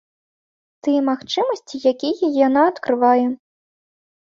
Тыя магчымасці, якія яна адкрывае.